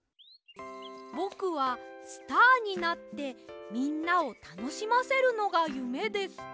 「ぼくはスターになってみんなをたのしませるのがゆめです。